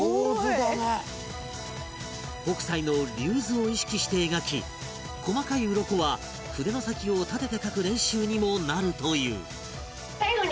北斎の『龍図』を意識して描き細かいうろこは筆の先を立てて描く練習にもなるという